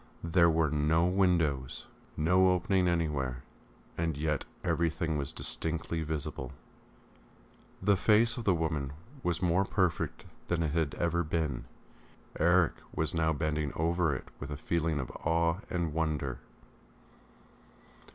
There were no windows, no opening anywhere, and yet everything was distinctly visible. The face of the woman was more perfect than it had ever been. Eric was now bending over it with a feeling of awe and wonder.